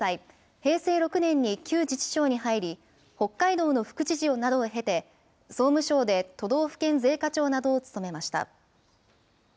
平成６年に旧自治省に入り、北海道の副知事などを経て、総務省で都道府県税課長などを務めました。